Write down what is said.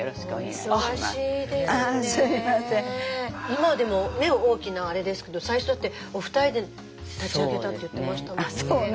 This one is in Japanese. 今でも大きなアレですけど最初だってお二人で立ち上げたって言ってましたもんね。